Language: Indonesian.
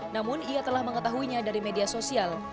namun ia telah mengetahuinya dari media sosial